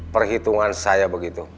perhitungan saya begitu